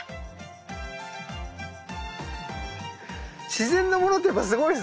自然なものってやっぱすごいっすね。